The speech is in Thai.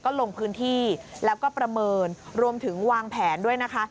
ก็ลงพื้นที่แล้วก็ประเมินรวมถึงวางแผนด้วยนะคะ